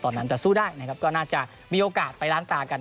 ตอนนั้นแต่สู้ได้นะครับก็น่าจะมีโอกาสไปล้างตากัน